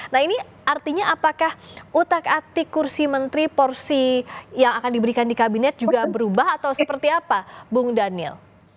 nah ini artinya apakah utak atik kursi menteri porsi yang akan diberikan di kabinet juga berubah atau seperti apa bung daniel